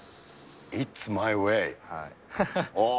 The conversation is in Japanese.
イッツ・マイ・ウェイ。